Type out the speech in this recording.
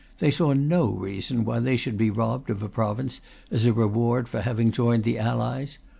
They saw no reason why they should be robbed of a province as a reward for having joined the Allies.